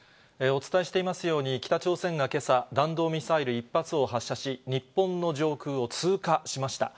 お伝えしていますように、北朝鮮がけさ、弾道ミサイル１発を発射し、日本の上空を通過しました。